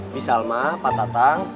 di salma pak tatang